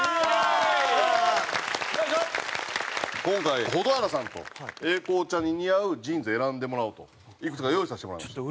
今回蛍原さんと英孝ちゃんに似合うジーンズ選んでもらおうといくつか用意させてもらいました。